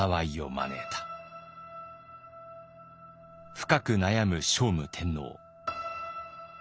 深く悩む聖武天皇。